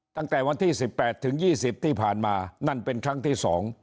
ตั้งแต่วันที่๑๘ถึง๒๐ที่ผ่านมานั่นเป็นครั้งที่๒